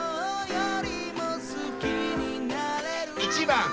１番